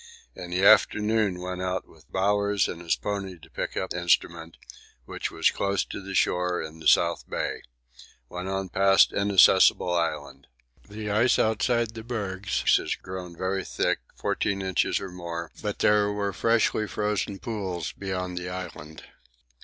In the afternoon went out with Bowers and his pony to pick up instrument, which was close to the shore in the South Bay. Went on past Inaccessible Island. The ice outside the bergs has grown very thick, 14 inches or more, but there were freshly frozen pools beyond the Island.